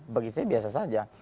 bagi saya biasa saja